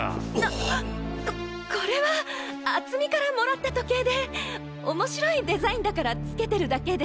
あっここれは敦実からもらった時計で面白いデザインだからつけてるだけで。